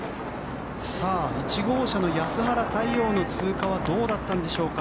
１号車の安原太陽の通過はどうだったんでしょうか。